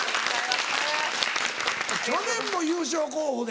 去年も優勝候補で。